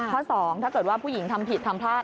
๒ถ้าเกิดว่าผู้หญิงทำผิดทำพลาด